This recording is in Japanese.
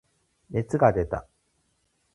熱が出た。